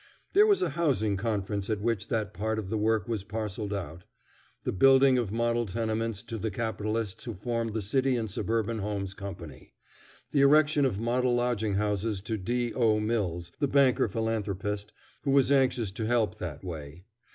There was a housing conference at which that part of the work was parcelled out: the building of model tenements to the capitalists who formed the City and Suburban Homes Company; the erection of model lodging houses to D. O. Mills, the banker philanthropist, who was anxious to help that way.